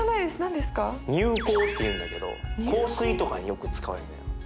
乳香っていうんだけど香水とかによく使われてる。